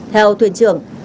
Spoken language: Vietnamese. theo thuyền trưởng